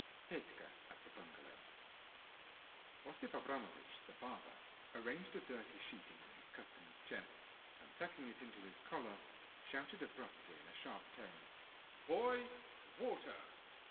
—Tr.] PETKA AT THE BUNGALOW Osip Abramovich, the barber, arranged a dirty sheeting on his customer's chest, and tucking it into his collar, shouted abruptly in a sharp tone, "Boy! water!"